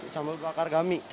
sambal bakar gami